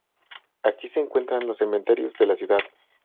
Aquí se encuentran los cementerios de la ciudad.